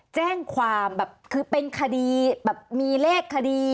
แจ้งความแบบคือเป็นคดีแบบมีเลขคดี